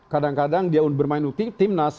kadang kadang dia bermain timnas